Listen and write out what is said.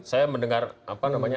saya mendengar apa namanya